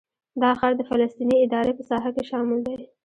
دا ښار د فلسطیني ادارې په ساحه کې شامل دی.